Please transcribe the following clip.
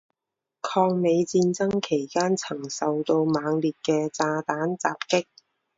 抗美战争期间曾受到猛烈的炸弹袭击。